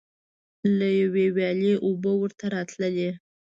له یوې ویالې اوبه ورته راتللې.